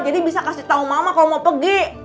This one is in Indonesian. jadi bisa kasih tau mama kalau mau pergi